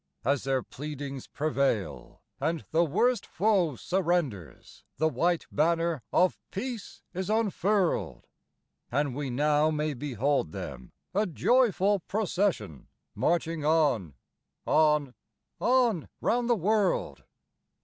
As their pleadings prevail, and "the worst foe" surrenders, The white banner of peace is unfurled; And we now may behold them, a joyful procession, Marching on, on, on round the world.